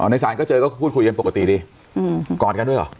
ในศาลก็เจอก็พูดคุยกันปกติดีกอดกันด้วยเหรอ